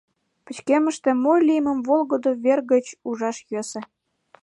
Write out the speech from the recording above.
Пычкемыште мо лиймым волгыдо вер гыч ужаш йӧсӧ;